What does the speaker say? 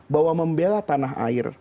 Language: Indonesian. bahwa membela tanah air